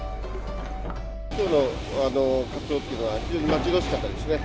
きょうのカツオというのは、非常に待ち遠しかったですね。